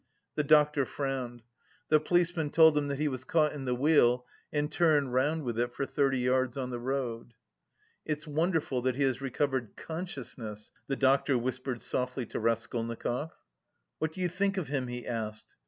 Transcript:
The doctor frowned. The policeman told him that he was caught in the wheel and turned round with it for thirty yards on the road. "It's wonderful that he has recovered consciousness," the doctor whispered softly to Raskolnikov. "What do you think of him?" he asked.